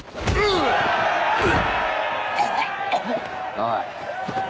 おい。